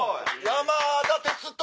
山田哲人